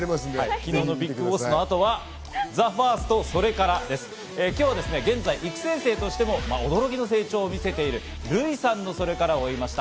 昨日のＢＩＧＢＯＳＳの後は、「ＴＨＥＦＩＲＳＴそれから」です。今日は現在、育成生としても驚きの成長を見せているＲＵＩさんのそれからを追いました。